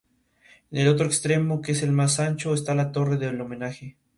Durante el año en que desempeñó este trabajo, comenzó a escribir su novela "María".